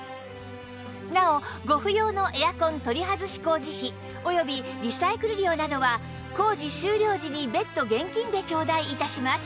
なおご不要のエアコン取り外し工事費及びリサイクル料などは工事終了時に別途現金でちょうだい致します